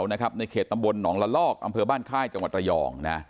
ในเขตตำบลหนองละลอกอำเภอบ้านค่ายจังหวัดระยอง